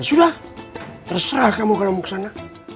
sudah terserah kamu kalau mau kesana